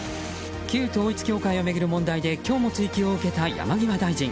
旧統一教会を巡る問題で今日も追及を受けた山際大臣。